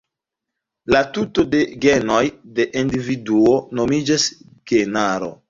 La tuto de genoj de individuo nomiĝas genaro.